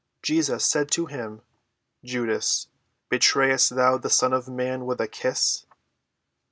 Jesus said to him, "Judas, betrayest thou the Son of man with a kiss?"